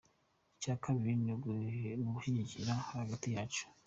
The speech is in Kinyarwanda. Icya kabiri ni ugushyigikirana hagati yacu.